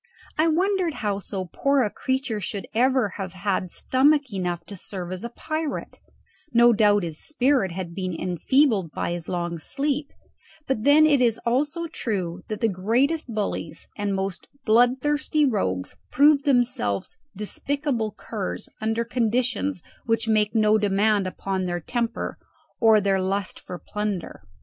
I wondered how so poor a creature should ever have had stomach enough to serve as a pirate; no doubt his spirit had been enfeebled by his long sleep; but then it is also true that the greatest bullies and most bloodthirsty rogues prove themselves despicable curs under conditions which make no demand upon their temper or their lust for plunder.